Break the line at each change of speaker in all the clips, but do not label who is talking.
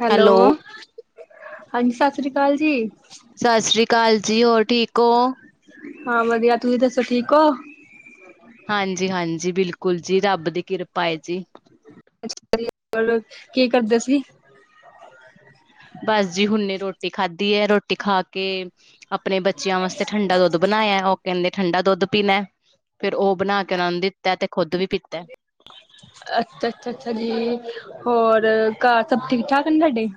Hello ਹਾਂਜੀ ਸਤਿ ਸ੍ਰੀ ਅਕਾਲ ਜੀ
ਸਤਿ ਸ੍ਰੀ ਅਕਾਲ ਜੀ ਹੋਰ ਠੀਕ ਹੋ
ਹਾਂ, ਵਧੀਆ ਤੁਸੀਂ ਦੱਸੋ ਠੀਕ ਹੋ
ਹਾਂਜੀ-ਹਾਂਜੀ, ਬਿਲਕੁਲ ਜੀ ਰੱਬ ਦੀ ਕਿਰਪਾ ਏ ਜੀ
ਕੀ ਕਰਦੇ ਸੀ
ਬਸ ਜੀ ਹੁਣੇ ਰੋਟੀ ਖਾਧੀ ਐ ਰੋਟੀ ਖਾ ਕੇ ਆਪਣੇ ਬੱਚਿਆਂ ਵਾਸਤੇ ਠੰਢਾ ਦੁੱਧ ਬਣਾਇਆ ਉਹ ਕਹਿੰਦੇ ਠੰਡਾ ਦੁੱਧ ਪੀਣਾ ਫੇਰ ਉਹ ਬਣਾ ਕੇ ਉਹਨਾਂ ਨੂੰ ਦਿੱਤਾ ਤੇ ਖੁੱਦ ਵੀ ਪੀਤਾ
ਅੱਛਾ ਅੱਛਾ ਅੱਛਾ ਜੀ ਹੋਰ ਘਰ ਸਭ ਠੀਕ ਠਾਕ ਨੇ ਤੁਹਾਡੇ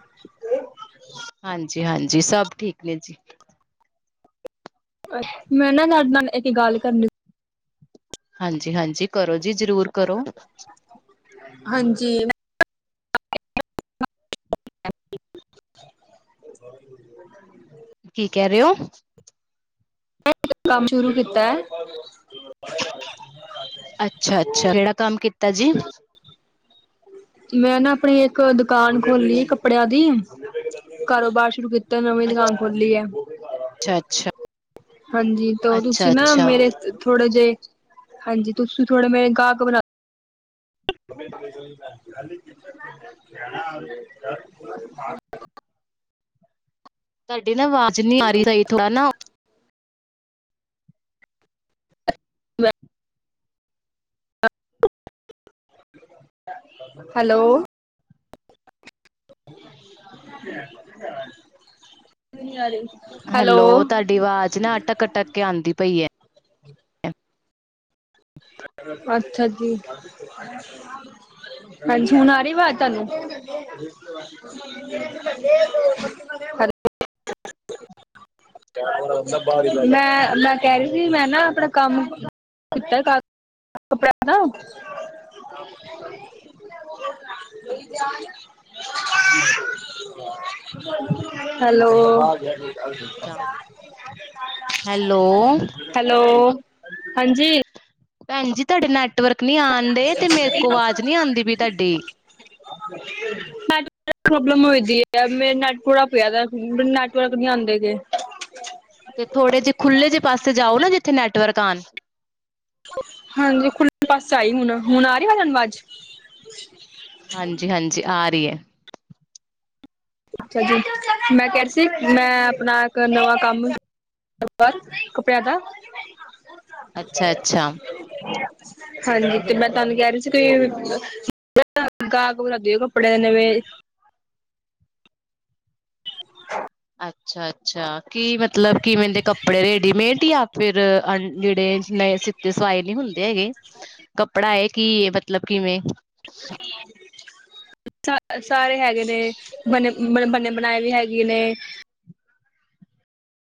ਹਾਂਜੀ-ਹਾਂਜੀ, ਸਭ ਠੀਕ ਨੇ ਜੀ
ਅੱ ਮੈਂ ਨਾ ਤੁਹਾਡੇ ਨਾਲ ਇੱਕ ਗੱਲ ਕਰਨੀ ਸੀ
ਹਾਂਜੀ-ਹਾਂਜੀ, ਕਰੋ ਜੀ ਜ਼ਰੂਰ ਕਰੋ
ਜੀ [inaudible]
ਕੀ ਕਹਿ ਰਹੇ ਹੋ
ਮੈਂ ਇੱਕ ਕੰਮ ਸ਼ੁਰੂ ਕੀਤਾ
ਤਾ ਜੀ।
ਮੈਂ ਨਾ ਆਪਣੀ ਇੱਕ ਦੁਕਾਨ ਖੋਲੀ ਕੱਪੜਿਆਂ ਦੀ ਕਾਰੋਬਾਰ। ਸ਼ੁਰੂ ਕੀਤਾ ਨਵੀਂ ਦੁਕਾਨ ਖੋਲੀ ਹੈ।
ਅੱਛਾ ਅੱਛਾ
ਹਾਂਜੀ ਤਾਂ
ਅੱਛਾ
ਤੁਸੀਂ ਨਾ
ਅੱਛਾ
ਮੇਰੇ ਥੋੜੇ ਜਿਹੇ। ਹਾਂਜੀ ਤੁਸੀਂ ਥੋੜੇ ਮੇਰੇ ਗਾਹਕ ਬਣਾ। [inaudible] [inaudible] [unintelligible]
ਸਾਡੀ ਨਾ ਆਵਾਜ਼ ਨਹੀਂ ਆ ਰਹੀ ਸਹੀ ਥੋੜ੍ਹਾ ਨਾ।
ਹੈਲੋ। ਨੀ ਆਰੀ।
ਹੈਲੋ ਤੁਹਾਡੀ ਆਵਾਜ਼ ਨਾ ਅਟਕ--ਅਟਕ ਕੇ ਆਉਂਦੀ ਪਈ ਹੈ।
ਅੱਛਾ ਜੀ। ਹਾਂਜੀ ਹੁਣ ਆ ਰਹੀ ਆਵਾਜ਼ ਤੁਹਾਨੂੰ। ਹੈ। ਮੈਂ-ਮੈਂ ਕਹਿ ਰਹੀ ਸੀ ਮੈਂ ਨਾ ਆਪਣਾ ਕੰਮ। ਕੀਤਾ ਕਦ ਕ ਕਪੜਿਆਂ ਦਾ। [inaudible] [inaudible] ਹੈਲੋ।
ਹੈਲੋ।
ਹੈਲੋ ਹਾਂਜੀ।
ਭੈਣਜੀ ਤੁਹਾਡੇ ਨਾਲ। ਨੈਟਵਰਕ ਨੀ ਆਉਣਦੇ ਤੇ ਮੇਰੇ ਕੋਲ ਆਵਾਜ਼ ਨੀ ਆਉਂਦੀ ਪਈ ਤੁਹਾਡੀ।
[inaudible] [inaudible]
ਤੇ ਥੋੜੇ ਜਿਹੇ ਖੁੱਲ੍ਹੇ ਜਿਹੇ ਪਾਸੇ ਜਾਓ ਨਾ ਜਿੱਥੇ ਨੈਟਵਰਕ ਆਣ।
ਹਾਂਜੀ, ਖੁੱਲੇ ਪਾਸ ਆਈ ਹੁਣ ਹੁਣ ਆ ਰਹੀ ਤੁਹਾਨੂੰ ਆਵਾਜ਼।
ਹਾਂਜੀ ਹਾਂਜੀ ਆ ਰਹੀ ਹੈ।
ਅੱਛਾ ਜੀ ਮੈਂ ਕਿਹਾ ਸੀ ਮੈਂ ਆਪਣਾ ਇੱਕ ਨਵਾਂ ਕੰਮ। ਕੱਪੜਿਆਂ ਦਾ।
ਅੱਛਾ ਅੱਛਾ।
ਹਾਂਜੀ ਤੇ ਮੈਂ ਤੁਹਾਨੂੰ ਕਹਿ ਰਹੀ ਸੀ ਕੋਈ। [inaudible] [inaudible] [inaudible] [inaudible]
ਅੱਛਾ ਅੱਛਾ। ਕਿ ਮਤਲਬ ਕਿਵੇਂਦੇ ਕੱਪੜੇ ਰੇਡੀਮੇਡ ਜਾਂ ਫਿਰ ਅ ਜਿਹੜੇ ਸਿੱਤੇ ਸਵਾਏ ਨੀ ਹੁੰ। ਹੁੰਦੇ ਹੈਗੇ ਕੱਪੜਾ ਹੈ ਕੀ ਮਤਲਬ ਕਿਵੇਂ।
[inaudible] [inaudible] ਸ ਸਾਰੇ ਹੈਗੇ ਨੇ ਬਨੇ ਬ ਬਨੇ ਬਣਾਏ ਵੀ ਹੈਗੇ ਨੇ।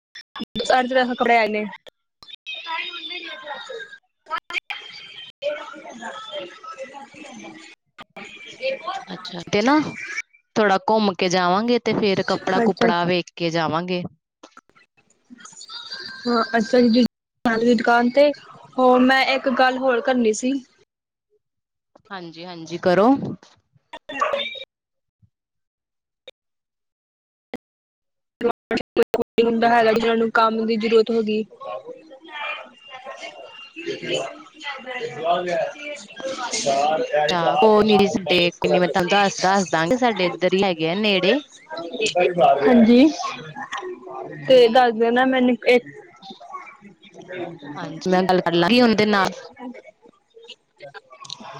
[inaudible] [inaudible] [inaudible] [inaudible]
ਅੱਛਾ ਤੇ ਨਾ ਥੋੜਾ ਘੁੰਮ ਕੇ ਜਾਵਾਂਗੇ ਤੇ ਫੇਰ ਕੱਪੜਾ
ਅੱਛਾ
ਕੁਪੜਾ ਵੇਖ ਕੇ। ਜਾਵਾਂਗੇ।
ਹਾਂ ਅੱਛਾ ਜੀ। ਨਾਲ ਦੀ ਦੁਕਾਨ ਤੇ ਹੋਰ ਮੈਂ ਇੱਕ ਗੱਲ ਹੋਰ ਕਰਨੀ ਸੀ।
ਹਾਂਜੀ ਹਾਂਜੀ ਕਰੋ।
ਹੁੰਦਾ ਹੈਗਾ ਜਿਨ੍ਹਾਂ ਨੂੰ ਕੰਮ ਦੀ ਜ਼ਰੂਰਤ ਹੋ ਗਈ। [inaudible]
ਅੱਛਾ ਕੋਈ ਨੀ ਜੀ ਸਾਡੇ ਕੋਈ ਨੀ ਮੈਂ ਤੁਹਾਨੂੰ ਦੱਸ ਦੱਸ ਦਾਂਗੀ ਸਾਡੇ ਇੱਧਰ ਹੀ ਹੈਗੇ ਆ ਨੇੜੇ
[inaudible] [inaudible] [inaudible] ਹਾਂਜੀ ਤੇ ਦੱਸ ਦਿ ਨਾ ਮੈਨੂੰ ਇੱਕ [inaudible] [inaudible]
ਹਾਂਜੀ ਮੈਂ ਗੱਲ ਕਰ ਲਾਂਗੀ ਉਹਦੇ ਨਾਲ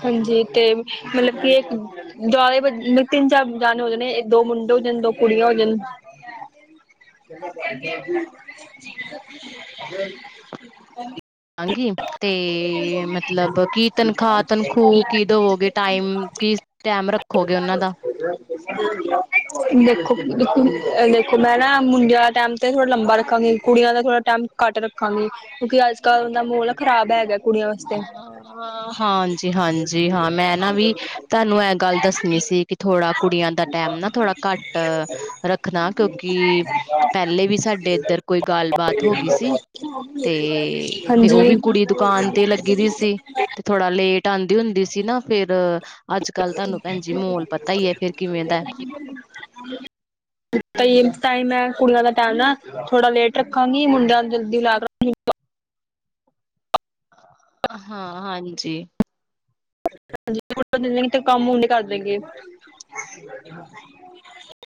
ਹਾਂਜੀ ਤੇ ਮਤਲਬ ਕਿ ਇੱਕ ਦੁਆਲੇ ਤਿੰਨ ਚਾਰ ਜਾਣੇ ਹੋ ਜਾਣੇ ਦੋ। ਮੁੰਡੇ ਹੋ ਜਾਣ ਦੋ ਕੁੜੀਆਂ ਹੋ ਜਾਣ। [inaudible]
ਹਾਂਜੀ, ਤੇ ਮਤਲਬ ਕੀ ਤਨਖਾਹ ਤਨਖੂ ਕੀ ਦਵੋਗੇ ਟਾਈਮ- ਕੀ ਟਾਈਮ ਰੱਖੋਗੇ ਉਹਨਾਂ ਦਾ
ਦੇਖੋ, [inaudible] ਮੈਂ ਨਾ ਮੁੰਡਿਆਂ ਦਾ ਟਾਈਮ ਤੇ ਥੋੜਾ ਲੰਬਾ ਰੱਖਾਂਗੀ, ਕੁੜੀਆਂ ਦਾ ਥੋੜ੍ਹਾ ਟਾਈਮ ਘੱਟ ਰੱਖਾਂਗੀ, ਕਿਉਂਕਿ ਅੱਜ-ਕੱਲ੍ਹ ਦਾ ਮੋਲ ਖਰਾਬ ਹੈਗਾ। ਕੁੜੀਆਂ ਵਾਸਤੇ
ਹਾਂਜੀ-ਹਾਂਜੀ, ਹਾਂ ਮੈਂ ਨਾ ਵੀ ਤੁਹਾਨੂੰ ਇਹ ਗੱਲ ਦੱਸਣੀ ਸੀ। ਸੀ ਕਿ ਥੋੜਾ ਕੁੜੀਆਂ ਦਾ ਟੈਮ ਨਾ ਥੋੜਾ ਘੱਟ ਰੱਖਣਾ, ਕਿਉਂਕਿ ਕਿ ਪਹਿਲੇ ਵੀ ਸਾਡੇ ਇੱਧਰ ਕੋਈ ਗੱਲਬਾਤ ਹੋ ਗਈ ਸੀ। ਤੇ ਉਹ
ਹਾਂਜੀ
ਵੀ ਕੁੜੀ ਦੁਕਾਨ ਲੱਗੀ ਦੀ ਸੀ, ਤੇ ਥੋੜਾ ਲੇਟ ਆਦੀ ਹੁੰਦੀ ਸੀ, ਨਾ ਫੇਰ
[inaudible]
ਅੱਜ ਕੱਲ ਤੁਹਾਨੂੰ ਭੈਣ ਜੀ ਮਾਹੌਲ ਪਤਾ ਹੀ ਹੈ ਫੇਰ ਕਿਵੇਂ ਦਾ
ਟਾਈਮ ਹੈ, ਕੁੜੀਆਂ ਦਾ ਤਾਂ ਨਾ ਥੋੜਾ ਲੇਟ ਰੱਖਾਂਗੀ, ਮੁੰਡਿਆਂ ਜਲਦੀ ਲਾ ਕੇ
ਹਾਂ ਹਾਂਜੀ,
ਤੇ ਕੰਮ ਹੁਣ ਨਹੀਂ ਕਰ ਦੇਗੇ। [inaudible]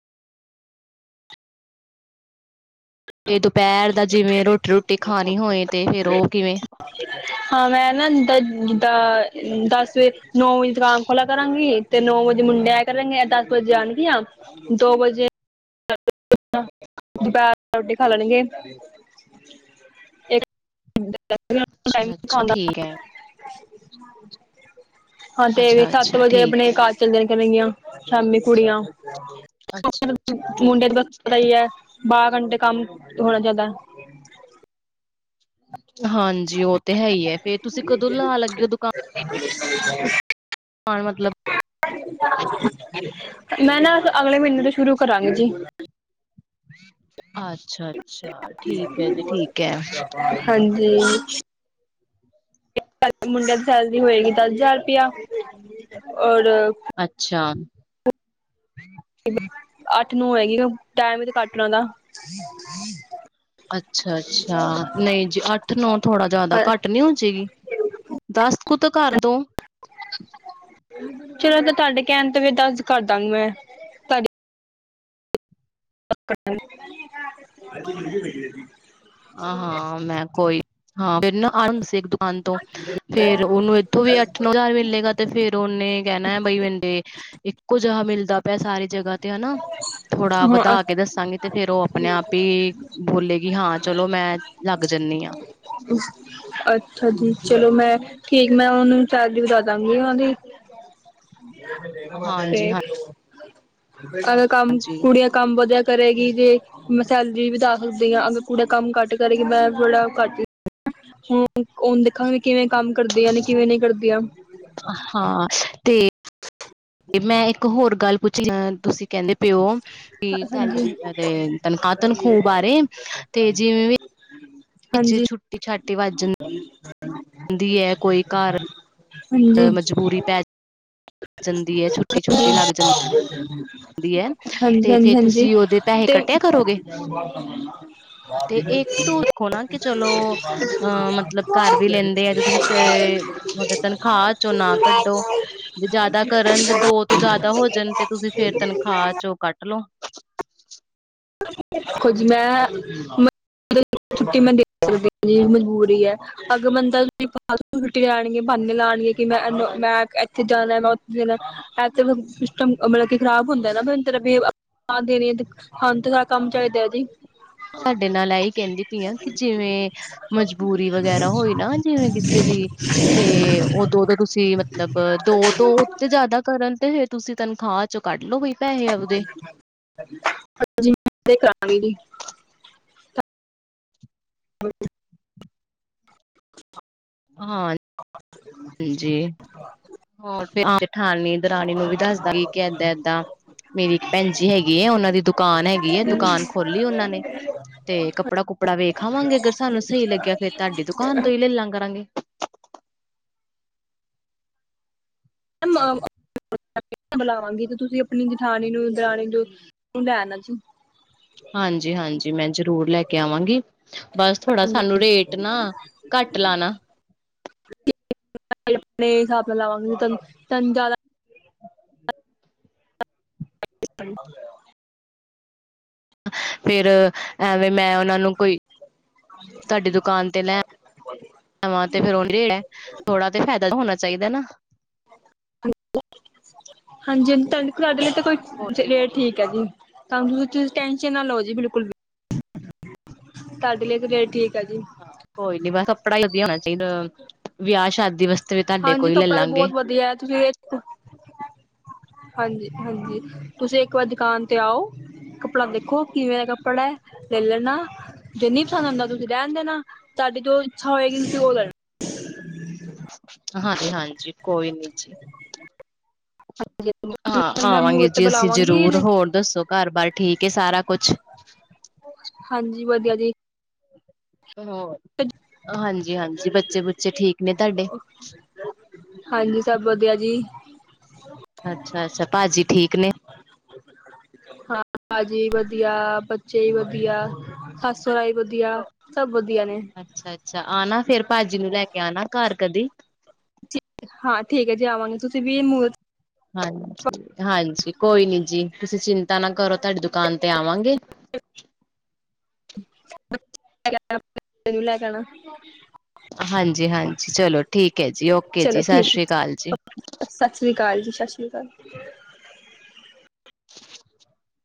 ਤੇ ਦੁਪਹਿਰ ਦਾ ਜਿਵੇਂ, ਰੋਟੀ-ਰੋਟੀ ਖਾਣੀ ਹੋਏ ਤੇ ਫੇਰ ਉਹ ਕਿਵੇਂ।
ਹਾਂ, ਮੈਂ ਨਾ ਜਿੱਦ ਜਿੰਦਾ ਦਸ ਵਜੇ ਨੌ ਵਜੇ ਦੁਕਾਨ ਖੋਲਾ ਕਰਾਂਗੀ। ਤੇ ਨੌ ਵਜੇ ਮੁੰਡੇ ਆਇਆ ਕਰਨਗੇ, ਦਸ ਵਜੇ ਜਾਣਗੀਆਂ ਦੋ ਵਜੇ। ਦੁਪਹਿਰ ਰੋਟੀ ਖਾ ਲੈਣਗੇ, ਇੱਕ ਮ
ਅੱਛਾ ਅੱਛਾ
ਆਉਂਦਾ।
ਠੀਕ
ਹਾਂ,
ਹੈ
ਮੁੰਡੇ ਦੀ
ਅੱਛਾ ਅੱਛਾ ਠੀਕ ਹੈ ਅੱਛਾ ਅੱਛਾ ਠੀਕ ਹੈ ਠੀਕ
ਪਤਾ ਹੀ ਹੈ, ਬਾ ਅੰਡੇ ਥੋੜਾ ਜ਼ਿਆਦਾ।
ਹਾਂਜੀ, ਉਹ ਤੇ ਹੈ ਹੀ ਫੇਰ ਤੁਸੀਂ ਕਦੋਂ ਲਾ ਲੱਗੇ ਹੋ ਦੁਕਾਨ।
[unintelligible]
ਮਤਲਬ
ਮੈਂ ਨਾ, ਅਗਲੇ ਮਹੀਨੇ ਤੋਂ ਸ਼ੁਰੂ ਕਰਾਂਗੀ ਜੀ।
ਅੱਛਾ-ਅੱਛਾ ਠੀਕ ਹੈ, ਜੀ ਠੀਕ ਹੈ।
ਹਾਂਜੀ ਮੁੰਡਿਆਂ ਦੀ ਸੈਲਰੀ ਹੋਏਗੀ, ਦਸ ਹਜ਼ਾਰ ਰੁਪਇਆ ਔਰ।
ਅੱਛਾ।
ਅੱਠ ਨੂੰ ਹੋਏਗੀ, ਟਾਈਮ ਵੀ ਤੇ ਕੱਟ ਲੈਣਾ।
ਅੱਛਾ-ਅੱਛਾ, ਨਹੀਂ ਜੀ ਅੱਠ ਨੌ ਥੋੜਾ ਜਿਆਦਾ
ਹਾਂ
ਘੱਟ ਨੀ ਹੋ ਜਾੇਗੀ। ਦਸਤ ਕੁਤ ਘਰ ਦੋ।
ਚਲੋ ਤੇ ਤੁਹਾਡੇ ਕਹਿਣ ਤੇ ਫਿਰ ਦੱਸ ਕਰਦਾਂ ਗੀ ਮੈਂ, [unintelligible]
ਆਹ ਹਾਂ ਮੈਂ ਕੋਈ ਹਾਂ, ਫਿਰ ਨਾ ਆ ਸੀ ਇੱਕ ਦ ਤੋਂ ਫ਼ੇਰ ਉਹਨੂੰ ਇੱਥੋਂ ਵੀ ਅੱਠ ਨੌ ਹਜ਼ਾਰ ਮਿਲੇਗਾ, ਤੇ ਫੇਰ? ਕਹਿਣਾ ਹੈ, ਬਈ ਵੰਡੇ ਇੱਕੋ ਜਿਹਾ ਮਿਲਦਾ ਪਿਆ ਸਾਰੀ ਜਗ੍ਹਾ ਤੇ ਹਨਾ। ਥੋੜਾ
ਹਾਂ
ਵਧਾ ਕੇ ਦੱਸਾਂਗੇ, ਤੇ ਫੇਰ ਉਹ ਆਪਣੇ ਆਪ ਹੀ ਬੋਲੇਗੀ ਹਾਂ। ਚਲੋ ਮੈਂ ਲੱਗ ਜਾਂਦੀ ਹਾਂ।
ਅੱਛਾ ਜੀ, ਚਲੋ ਮੈਂ ਠੀਕ ਮੈਂ, ਉਹਨੂੰ ਸੈਲਰੀ ਦੀ ਵਦਾ ਦਾਂਗੀ ਉਹ ਦੀ । ਤੇ,
ਹਾਂਜੀ
ਅੱਜ, ਕਮ
ਹਾਂਜੀ
ਕੁੜੀਆਂ ਕੰਮ ਵਧੀਆ ਕਰੇ ਗੀ। ਜੇ ਮੈਂ ਸੈਲਰੀ ਵਦ ਦੇ ਸਕਦੀ ਹਾਂ, ਅਗਰ ਕੁੜੀਆਂ ਕੰਮ ਘੱਟ ਕਰਨਗੀਆਂ। ਹੁਣ ਉਹਨਾਂ ਨੂੰ ਦੇਖਾਂਗੇ। ਕਿਵੇਂ ਕੰਮ ਕਰਦੀਆਂ ਨੇ ਕਿਵੇਂ ਨਹੀਂ ਕਰਦੀਆਂ।
ਹਾਂ ਤੇ ਤੇ ਮੈਂ ਇੱਕ ਹੋਰ ਗੱਲ ਪੁੱਛੀ ਤੁਸੀਂ? ਕਹਿੰਦੇ ਪਿਓ ਕੀ ਸੈਲਰੀ
ਹਾਂਜੀ
ਤਨਖਾਹ ਤਨਖੂਹ ਬਾਰੇ ਤੇ ਜਿਵੇਂ ਵੀ।
[inaudible] [inaudible]
ਵਿੱਚ ਛੁੱਟੀ -ਛਾਟੀ ਵੱਜ। ਕਦੀ ਹੈ ਕੋਈ ਘਰ
ਹਾਂਜੀ
ਮਜਬੂਰੀ ਪੈ। ਜਾਂਦੀ ਹੈ ਛੁੱਟੀ ਛੁੱਟੀ ਲੱਗ ਜਾਂਦੀ।
ਹਾਂਜੀ
ਤੇ
ਹਾਂਜੀ
ਫਿਰ
ਹਾਂਜੀ
ਤੁਸੀਂ ਉਹਦੇ ਪੈਹੈ
ਤੇ
ਕੱਟਿਆ ਕਰੋਗੇ ਤੇ। ਤੂੰ ਕੋਲ ਆ ਕੇ ਚਲੋ ਅਹ ਮਤਲਬ ਘਰ ਵੀ ਲੈਂਦੇ ਆ ਜ ਤੁਸੀਂ ਉਹਦੇ। ਤਨਖਾਹ ਚੋ ਨਾ ਕੱਢੋ ਜੇ ਜਿਆਦਾ ਕਰਨ ਤੇ ਦੋ ਤੋਂ ਜਿਆਦਾ ਹੋ ਜਾਣ ਤੇ ਤੁਸੀਂ ਫੇਰ। ਤਨਖਾਹ ਚੋਂ ਕੱਟ ਲੋੋ।
ੋ ਕੁਝ ਮੇ ਮ ਛੁੱਟੀ ਮੈਂ ਦੇ ਸਕਦੀ ਹ ਜਿਹੀ ਮਜਬੂਰੀ ਹੈ ਅਗਰ ਬੰਦਾ ਤੁਸੀ ਫਾਲਤੂ ਛੁੱਟੀ ਲਾਉਣਗੇ ਬਹਾਨੇ ਲਾਉਣਗੇ। ਕਿ ਮੈਂਨੂੰ ਇੱਥੇ ਜਾਣਾ ਮੈਂ ਉੱਥੇ ਜਾਣਾ ਇਥ ਸਿਸਟਮ ਮਤਲਬ ਕਿ ਖਰਾਬ ਹੁੰਦਾ ਨਾ। ਦੇਣੀ ਆ ਹੰ ਤੇ ਸਾਰਾ ਕੰਮ ਚਾਹੀਦਾ ਹੈ ਜੀ।
ਸਾਡੇ ਨਾਲ ਇਹੀ ਕਹਿੰਦੀ ਪਈ ਆਂ ਕਿ ਜਿਵੇਂ ਮਜਬੂਰੀ ਵਗੈਰਾ ਹੋਈ ਨਾ ਜਿਵੇਂ ਕਿਸੇ। ਦੀ ਤੇ ਉਦੋ ਤੋਂ ਤੁਸੀਂ, ਮਤਲਬ ਦੋ ਤੋਂ ਉਥੇ ਜਿਆਦਾ ਕਰਨ । ਓਏ ਤੁਸੀਂ ਤਨਖਾਹ ਚੁੱਕੇ।
ਹਾਂਜੀ। ਕਰਾ ਦੀ । ਅ ।
ਹਾਂਾਂਜੀ ਹੋਰ ਜੇਠੀ-ਦਰਾਣੀ ਨੂੰ ਵੀ ਦੱਸਦਾਗੀ ਕੀ ਏਦਾਂ-ਏਦਾਂ। ਮੇਰੀ ਇੱਕ ਭੈਣ ਜੀ ਹੈਗੀ ਉਹਨਾਂ ਦੀ ਦੁਕਾਨ ਹੈਗੀ, ਦੁਕਾਨ ਖੋਲੀ ਉਹਨਾਂ ਨੇ ਤੇ ਕੱਪੜਾ-ਕੁਪ। ੜਾ ਵੇਖ ਆਵਾਂਗੇ ਅਗਰ ਸਾਨੂੰ ਸਹੀ ਲੱਗਿਆ, ਫੇਰ ਤੁਹਾਡੀ ਦੁਕਾਨ ਤੋਂ ਹੀ ਲੈਲਾਂ ਕਰਾਂਗੇ।
ਬੁਲਾਵਾਂਗੀ ਤੇ ਤੁਸੀਂ ਆਪਣੀ ਜਠਾਣੀ ਨੂੰ, ਦਰਾਣੀ ਜੋ ਲੈ ਆਣਾ। ਅੱਛਾ।
ਹਾਂਜੀ-ਹਾਂਜੀ ਮੈਂ ਜ਼ਰੂਰ ਲੈ ਕੇ ਆਵਾਂਗੀ, ਬਸ ਥੋੜਾ ਸਾਨੂੰ ਰੇਟ ਨਾ। ਘੱਟ ਲਾਣਾ।
ਆਪਣੇ ਹਿਸਾਬ ਨਾਲ ਲਾਵਾਂਗੀ, ਤਾਨੂੰ ਜਾਦਾ। [unintelligible] [unintelligible]
ਫਿਰ ਐਵੇਂ ਮੈਂ ਉਹਨਾਂ ਨੂੰ ਕੋਈ। ਤੁਹਾਡੀ ਦੁਕਾਨ ਤੇ ਲੈ ਆਵਾ ਤੇ ਫਿਰ ਥੋੜਾ ਤੇ ਫਾਇਦਾ ਹੋਣਾ। ਚਾਹੀਦਾ ਨਾ।
ਹਾਂਜੀ-ਹਾਂਜੀ, ਤੁਹਾਡੇ। ਘਰ ਦੇ ਲਈ ਤਾਂ
ਹਾਂ
ਕੋਈ ਰੇਟ
ਨੀ
ਠੀਕ ਹੈ ਜੀ। ਸਾਨੂੰ ਤੁਸੀਂ ਟੈਸ਼ਨ ਨਾ ਲਓ ਜੀ ਬਿਲਕੁਲ ਵੀ, ਤੁਹਾਡੇ ਲਈੇ ਤੇ ਰੇਟ ਠੀਕ। ਹੈ ਜੀ
ਹਾਂ ਕੋਈ ਨੀ ਬਸ ਕੱਪੜਾ ਵੀ ਵਧੀਆ ਹੋਣਾ ਚਾਹੀਦਾ ਵਿਆਹ-ਸ਼ਾਦੀ ਵਾਸਤੇ। ਵੀ ਤੁਹਾਡੇ
ਹਾਂਜੀ,
ਕੋਲ ਲੈ
ਕੱਪੜਾ ਤਾਂ
ਲਾਂਗੇ
ਬਹੁਤ ਵਧੀਆ ਹੈ ਤੁਸੀਂ ਵੇਖੋ। ਹਾਂਜੀ-ਹਾਂਜੀ, ਤੁਸੀਂ ਇੱਕ ਵਾਰ ਦੁਕਾਨ ਤੇ ਆਓ। ਕੱਪੜਾ ਦੇਖੋ ਕਿਵੇਂ ਦਾ ਕੱਪੜਾ ਹੈ ਲੈ ਲੈਣਾ, ਜੇ ਨੀ ਪਸੰਦ ਆਂਦਾ ਤੁਸੀਂ ਰਹਿਣ ਦੇਣਾ। ਤੁਹਾਡੀ ਜੋ ਇੱਛਾ ਹੋਏਗੀ ਤੁਸੀਂ ਉਹ ਲੈਣਾ।
ਹਾਂਜੀ-ਹਾਂਜੀ, ਕੋਈ ਨੀ ਜੀ। ਹਾਂ
ਮੈਂ
ਆਵਾਂਗੇ
ਮੂਰਤ ਤੇ
ਜੀ ਅਸੀਂ
ਬੁਲਾਵਾਂਗੀ
ਜ਼ਰੂਰ, ਹੋਰ ਦੱਸੋ ਘਰ-ਬਾਰ ਠੀਕ ਏ ਸਾਰਾ ਕੁੱਛ।
ਹਾਂਜੀ, ਵਧੀਆ ਜੀ।
ਹੋਰ ਹਾਂਜੀ-ਹਾਂਜੀ, ਬੱਚੇ-ਬੁੱਚੇ ਠੀਕ ਨੇ ਤੁਹਾਡੇ।
ਹਾਂਜੀ, ਸਭ ਵਧੀਆ ਜੀ।
ਅੱਛਾ-ਅੱਛਾ, ਭਾਜੀ ਠੀਕ ਨੇ।
ਹਾਂ ਭਾਜੀ ਵਧੀਆ, ਬੱਚੇ ਵੀ ਵਧੀ। ਵਧੀਆ ਸੱਸ-ਸਹੂਰਾ ਵੀ ਵਧੀਆ, ਸਭ ਵਧੀਆ ਨੇ।
ਅੱਛਾ-ਅੱਛਾ, ਆਣਾ ਫਿਰ ਭਾਜੀ ਨੂੰ ਲੈ ਕੇ ਆਣਾ ਘਰ ਕਦੀ।
ਹਾਂ ਠੀਕ ਹੈ ਜੀ ਆਵਾਂਗੇ ਤੁਸੀਂ ਵੀ ਮੂਰ।
ਹਾਂਜੀ-ਹਾਂਜੀ ਕੋਈ ਨੀ ਜੀ, ਤੁਸੀਂ ਚਿੰਤਾ ਨਾ ਕਰੋ ਤੁਹਾਡੀ ਦੁਕਾਨ ਤੇ ਆਵਾਂਗੇ।
[inaudible]
ਹਾਂਜੀ, ਹਾਂਜੀ ਚਲੋ ਠੀਕ ਹੈ ਜੀ ਓਕੇ
ਚਲੋ
ਜੀ ਸਤਿ
ਠੀਕ ਏ,
ਸ੍ਰੀ ਅਕਾਲ ਜੀ।
ਸਤਿ ਸ਼੍ਰੀ ਅਕਾਲ ਜੀ, ਸਤਿ [inaudible]
[inaudible]